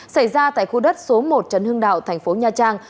xảy ra tại khu đất số một trần hưng đạo thành phố nha trang